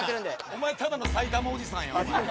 お前ただの埼玉おじさんやんお前は。